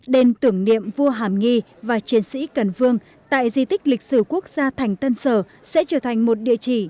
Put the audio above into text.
đền tưởng niệm vua hàm nghi và chiến sĩ cần vương tại di tích lịch sử quốc gia thành tân sở sẽ trở thành một địa chỉ